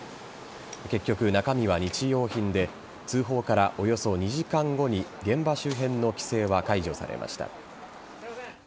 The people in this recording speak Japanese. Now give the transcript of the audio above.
結局、中身は日用品で通報からおよそ２時間後に現場周辺の規制は解除されました。